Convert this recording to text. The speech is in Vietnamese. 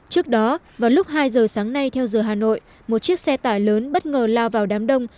trước đó vào lúc hai giờ sáng nay theo giờ hà nội một chiếc xe tải lớn bất ngờ lao vào đám đông